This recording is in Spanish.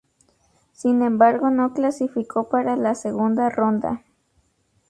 Sin embargo no clasificó para la segunda ronda.